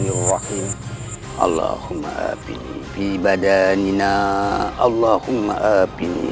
bismillahirrahmanirrahim bismillahirrahmanirrahim bismillahirrahmanirrahim allahumma abini